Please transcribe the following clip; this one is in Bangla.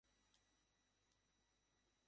আমাদের সকলেরই তাঁহার প্রতি গভীর শ্রদ্ধা।